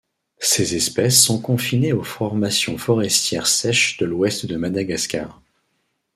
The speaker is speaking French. Ces espèces sont confinées aux formations forestières sèches de l’ouest de Madagascar.